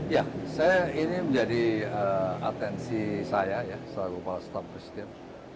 ya saya ini menjadi atensi saya ya selaku kepala staf presiden